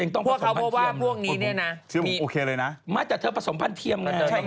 ถูกเห็นไหมเธอต้องผสมพันเทียม